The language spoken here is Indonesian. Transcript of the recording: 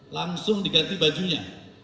langsung diganti bajunya